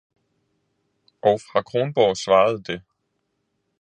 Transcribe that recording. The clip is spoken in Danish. og fra Kronborg svarede det.